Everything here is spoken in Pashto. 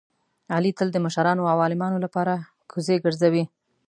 علي تل د مشرانو او عالمانو لپاره کوزې ګرځوي.